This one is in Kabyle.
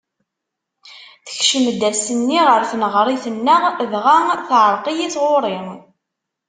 Tekcem-d ass-nni ɣer tneɣrit-nneɣ, dɣa teɛreq-iyi tɣuri.